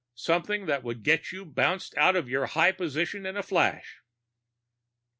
Something that would get you bounced out of your high position in a flash."